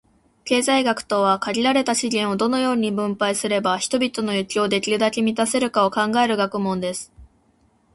経済学とは、「限られた資源を、どのように分配すれば人々の欲求をできるだけ満たせるか」を考える学問です。